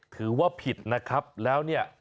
ถือว่าผิดนะครับแล้วเนี่ย